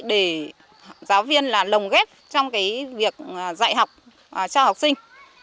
để giáo viên lồng ghép trong việc dạy học cho học sinh